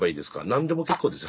何でも結構ですよ